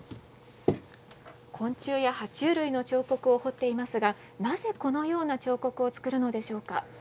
昆虫やは虫類の彫刻を彫っていますがなぜこのような彫刻を作るのですか。